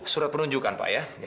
surat penunjukan pak ya